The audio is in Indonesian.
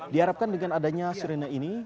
diharapkan dengan adanya surena ini